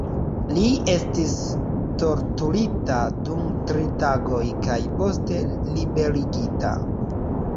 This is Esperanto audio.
Li estis torturita dum tri tagoj kaj poste liberigita.